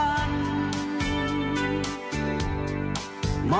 ว่าเธอเป็นยังมอบหรือควัน